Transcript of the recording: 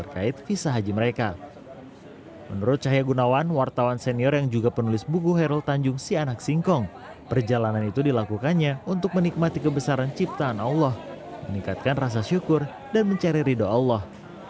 keduanya juga telah menemukan kemampuan untuk menikmati kebesaran ciptaan allah meningkatkan rasa syukur dan mencari rido allah